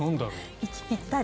息ぴったり。